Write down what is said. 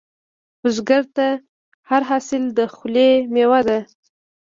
بزګر ته هر حاصل د خولې میوه ده